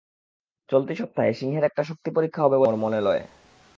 চলতি সপ্তাহে সিংহের একটা শক্তি পরীক্ষা হবে বলে মোর মনে লয়।